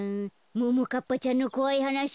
ももかっぱちゃんのこわいはなし